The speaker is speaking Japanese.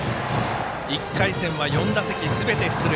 １回戦は４打席すべて出塁。